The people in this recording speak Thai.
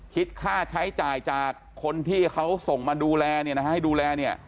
คิดค่าใช้จ่ายจากคนที่เขาส่งมาดูแลให้ดูแล